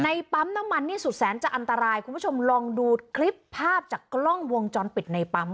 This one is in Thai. ปั๊มน้ำมันนี่สุดแสนจะอันตรายคุณผู้ชมลองดูคลิปภาพจากกล้องวงจรปิดในปั๊ม